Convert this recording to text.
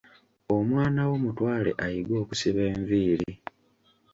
Omwana wo mutwale ayige okusiba enviiri.